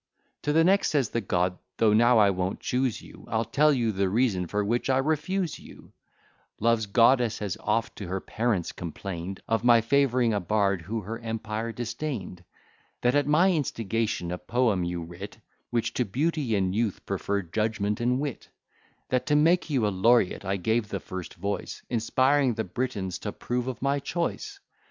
To the next says the God, "Though now I won't chuse you, I'll tell you the reason for which I refuse you: Love's Goddess has oft to her parents complain'd, Of my favouring a bard who her empire disdain'd; That at my instigation, a poem you writ, Which to beauty and youth preferr'd judgment and wit; That, to make you a Laureate, I gave the first voice, Inspiring the Britons t'approve of my choice.